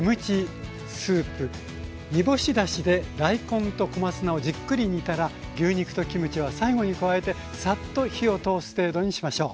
煮干しだしで大根と小松菜をじっくり煮たら牛肉とキムチは最後に加えてさっと火を通す程度にしましょう。